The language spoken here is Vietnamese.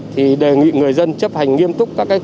thì đề nghị người dân chấp hành nghiêm túc các quy định